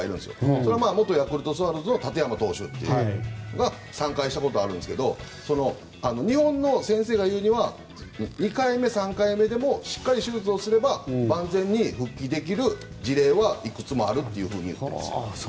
それは元ヤクルトスワローズのタテヤマ投手が３回したことがあるんですけど日本の先生が言うには２回目、３回目でもしっかり手術をすれば万全に復帰できる事例はいくつもあるというふうに言っています。